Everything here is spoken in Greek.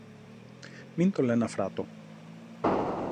Μην τον λεν Αφράτο;